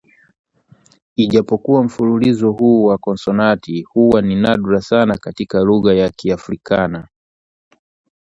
ijapokuwa mfululizo huu wa konsonanti huwa ni nadra sana katika lugha ya Kiafrikaana